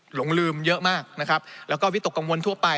หลงลืมเยอะมากนะครับแล้วก็วิตกกังวลทั่วไป